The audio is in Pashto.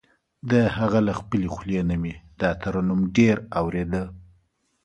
د هغه له خپلې خولې نه مې دا ترنم ډېر اورېده.